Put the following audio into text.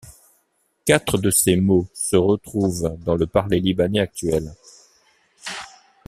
Quatre de ces mots se retrouvent dans le parlé libanais actuel.